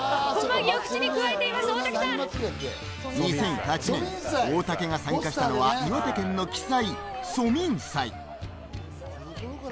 ２００８年、大竹が参加したのは、岩手県の奇祭・蘇民祭。